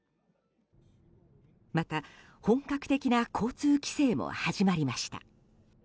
また、本格的な交通規制も始まりました。